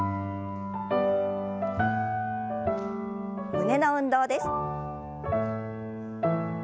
胸の運動です。